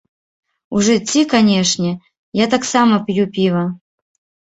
У жыцці, канешне, я таксама п'ю піва.